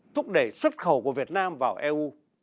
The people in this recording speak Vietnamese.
thúc đẩy xuất khẩu của việt nam vào eu